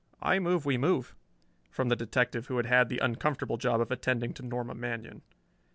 "I move we move," from the detective who had had the uncomfortable job of attending to Norma Manion.